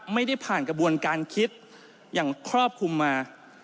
ไม่ได้ผ่านกระบวนการคิดอย่างครอบคลุมมา